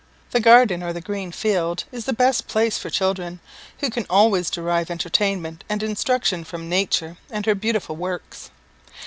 The garden or the green field is the best place for children, who can always derive entertainment and instruction from nature and her beautiful works.